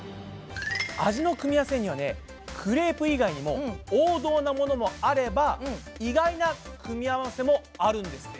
味の組み合わせにはねクレープ以外にも王道なものもあれば意外な組み合わせもあるんですって。